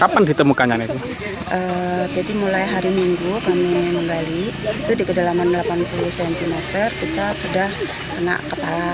pada tahun dua ribu tujuh belas arka dwarapala ini menemukan patung yang terkenal